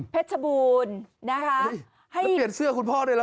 เพชรบูรณ์เปลี่ยนเสื้อคุณพ่อด้วยหรอ